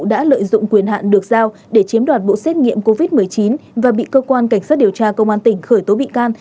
đã lợi dụng quyền hạn được giao để chiếm đoạt bộ xét nghiệm covid một mươi chín và bị cơ quan cảnh sát điều tra công an tỉnh khởi tố bị can